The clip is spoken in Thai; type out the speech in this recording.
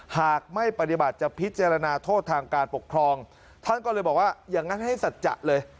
หากไม่ปฏิบัติจะพิจารณาโทษทางการปกครองท่านก็เลยบอกว่าอย่างนั้นให้สัจจะเลย